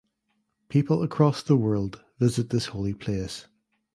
People across the world visit this holy place.